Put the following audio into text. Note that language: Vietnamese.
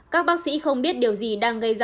các bác sĩ không biết điều gì đang gây ra